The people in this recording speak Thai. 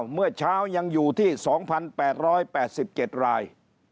เมื่อเช้ายังอยู่ที่๒๘๘๗ราย